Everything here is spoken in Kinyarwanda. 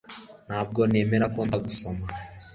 Ntabwo nemera ko ndagusoma